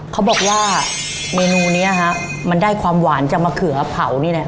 เขาบอกว่าเมนูนี้ฮะมันได้ความหวานจากมะเขือเผานี่แหละ